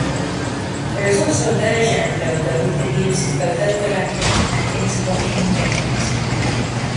There is also a version of logo that uses both overlapping and interlocking rings.